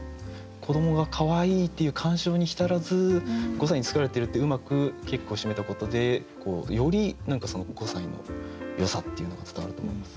子どもがかわいいっていう感傷に浸らず「五歳に作られている」ってうまく結句をしめたことでより何かその五歳のよさっていうのが伝わると思います。